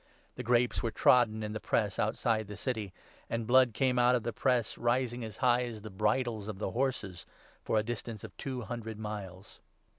The ' grapes were trodden in 20 the press' outside the city ; and blood came out of the press, rising as high as the bridles of the horses for a distance of two hundred miles.